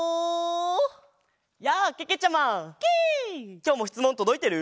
きょうもしつもんとどいてる？